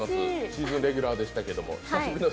シーズンレギュラーでしたけれども。